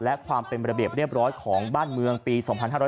และความเป็นระเบียบเรียบร้อยของบ้านเมืองปี๒๕๕๙